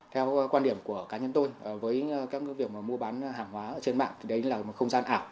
theo quan điểm của cá nhân tôi với các việc mua bán hàng hóa trên mạng thì đấy là một không gian ảo